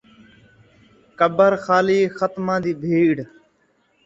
قبر خالی ، ختماں دی بھیڑ